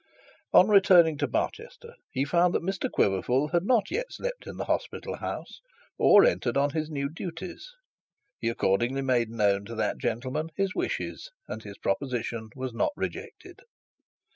On returning to Barchester, he found that Mr Quiverful had not yet slept in the hospital house, or entered on his new duties. He accordingly made known to that gentleman his wishes, and his proposition was not rejected.